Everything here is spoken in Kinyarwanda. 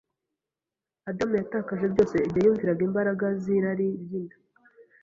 Adamu yatakaje byose igihe yumviraga imbaraga z’irari ry’inda.